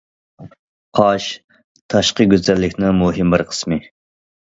قاش تاشقى گۈزەللىكنىڭ مۇھىم بىر قىسمى.